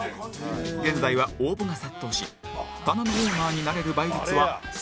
現在は応募が殺到し棚のオーナーになれる倍率は３０倍以上